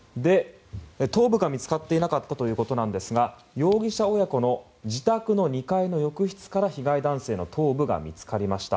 頭部が見つかっていなかったということですが容疑者親子の自宅の２階の浴室から被害男性の頭部が見つかりました。